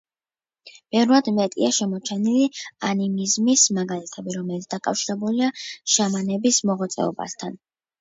ბევრად მეტია შემორჩენილი ანიმიზმის მაგალითები, რომელიც დაკავშირებულია შამანების მოღვაწეობასთან.